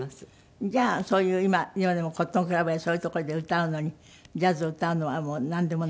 じゃあそういう今でもコットンクラブやそういう所で歌うのにジャズを歌うのはもうなんでもない？